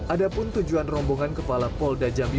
ada pun tujuan rombongan kepala polda jambi